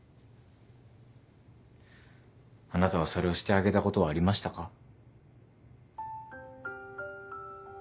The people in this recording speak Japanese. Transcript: あなたはそれをしてあげたことはありましたか？